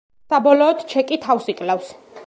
საბოლოოდ ჩეკი თავს იკლავს.